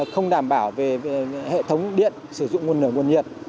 không đảm bảo về hệ thống điện sử dụng nguồn nửa nguồn nhiệt